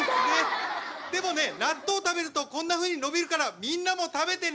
でもね納豆食べるとこんなふうに伸びるからみんなも食べてね！